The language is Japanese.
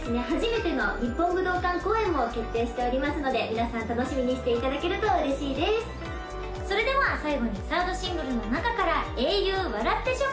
初めての日本武道館公演も決定しておりますので皆さん楽しみにしていただけると嬉しいですそれでは最後に３ｒｄシングルの中から「英雄笑って！